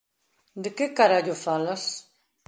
De que carallo falas?